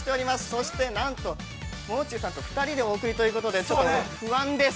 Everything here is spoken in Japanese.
そして、何ともう中さんと２人でお送りということでちょっと、不安です。